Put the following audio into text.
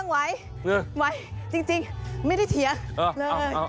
ไหวจริงไม่ได้เถียง